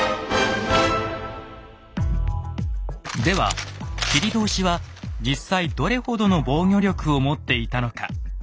では切通は実際どれほどの防御力を持っていたのか。